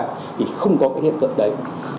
thì không có hiệp cơ đấy